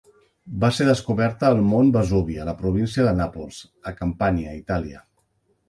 Va ser descoberta al mont Vesuvi, a la província de Nàpols, a Campània, Itàlia.